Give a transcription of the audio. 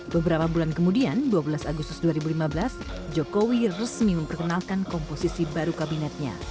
beberapa bulan kemudian dua belas agustus dua ribu lima belas jokowi resmi memperkenalkan komposisi baru kabinetnya